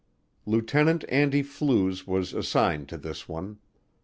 Lieutenant Andy Flues was assigned to this one.